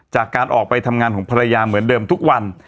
จากการออกไปทำงานของภรรยาเหมือนเดิมทุกวัน